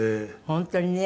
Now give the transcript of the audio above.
本当にね。